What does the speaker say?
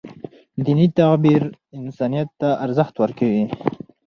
دیني تعبیر انسانیت ته ارزښت ورکوي.